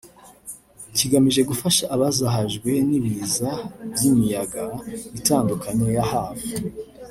kigamije gufasha abazahajwe n’ibiza by’imiyaga itandukanye ya Harvey